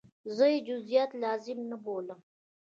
زه یې جزئیات لازم نه بولم.